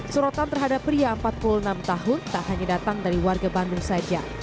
sorotan terhadap pria empat puluh enam tahun tak hanya datang dari warga bandung saja